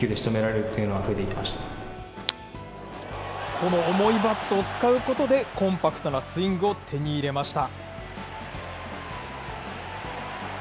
この重いバットを使うことで、コンパクトなスイングを手に入れました。